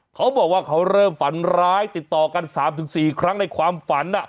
เขาบอกว่าเขาเริ่มฝันร้ายติดต่อกัน๓๔ครั้งในความฝัน